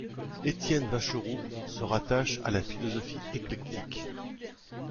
Étienne Vacherot se rattache à la philosophie éclectique.